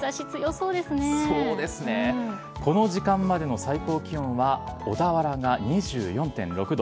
そうですね、この時間までの最高気温は、小田原が２４．６度。